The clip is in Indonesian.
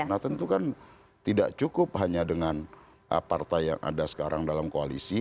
nah tentu kan tidak cukup hanya dengan partai yang ada sekarang dalam koalisi